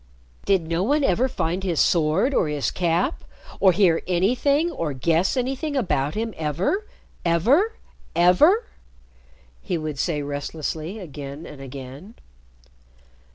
"Did no one ever find his sword or his cap or hear anything or guess anything about him ever ever ever?" he would say restlessly again and again.